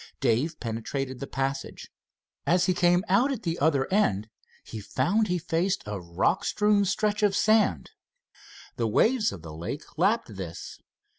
Dave penetrated the passage. As he came out at the other end, he found he faced a rock strewn stretch of sand. The waves of the lake lapped this.